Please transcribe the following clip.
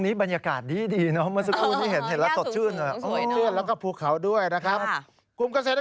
นี่เห็นแล้วตดชื่นเลยครับโอ้โฮ